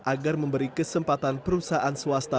agar memberi kesempatan perusahaan swasta